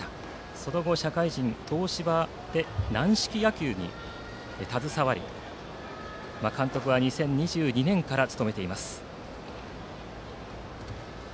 その後、社会人で東芝で軟式野球に携わり監督は２０２２年から務めています。